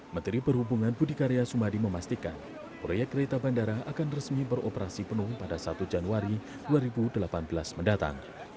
menteri perhubungan budi karya sumadi memastikan proyek kereta bandara akan resmi beroperasi penuh pada satu januari dua ribu delapan belas mendatang